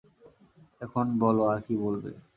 এখন বল আর কি বলবে?